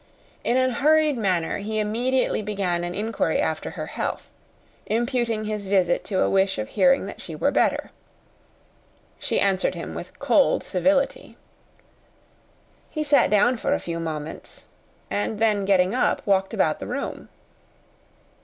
In a hurried manner he immediately began an inquiry after her health, imputing his visit to a wish of hearing that she were better. She answered him with cold civility. He sat down for a few moments, and then getting up walked about the room.